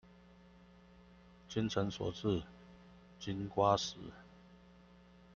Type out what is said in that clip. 精誠所至金瓜石